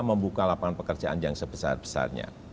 membuka lapangan pekerjaan yang sebesar besarnya